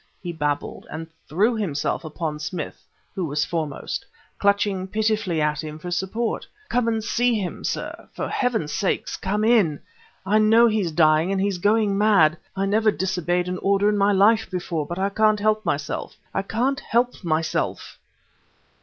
he babbled, and threw himself upon Smith, who was foremost, clutching pitifully at him for support. "Come and see him, sir for Heaven's sake come in! I think he's dying; and he's going mad. I never disobeyed an order in my life before, but I can't help myself I can't help myself!"